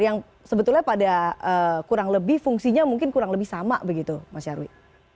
yang sebetulnya pada kurang lebih fungsinya mungkin kurang lebih sama begitu mas nyarwi